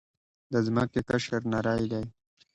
د ځمکې قشر نری دی.